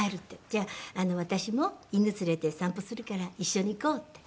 「じゃあ私も犬連れて散歩するから一緒に行こう」って。